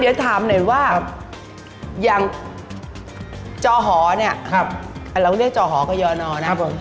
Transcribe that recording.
เดี๋ยวถามหน่อยว่าอย่างจอหอเรียกจอหอกระยะนอนะ